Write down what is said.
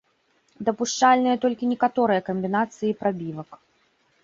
Дапушчальныя толькі некаторыя камбінацыі прабівак.